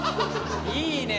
いいね。